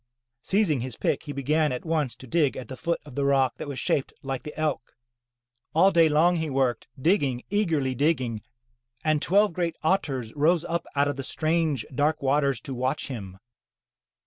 Seizing his pick, he began at once to dig at the foot of the rock that was shaped like the Elk. All day long he worked, digging, eagerly digging, and twelve great otters rose up out of the strange, dark waters to watch him.